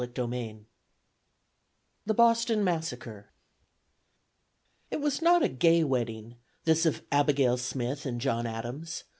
CHAPTER III THE BOSTON MASSACRE IT was not a gay wedding, this of Abigail Smith and John Adams.